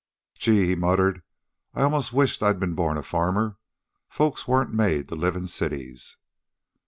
"Gee," he muttered, "I almost wisht I'd ben born a farmer. Folks wasn't made to live in cities."